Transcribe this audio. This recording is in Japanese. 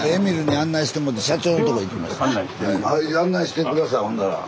案内して下さいほんだら。